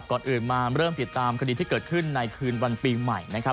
ก่อนอื่นมาเริ่มติดตามคดีที่เกิดขึ้นในคืนวันปีใหม่นะครับ